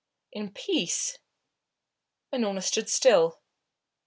In peace? Unorna stood still.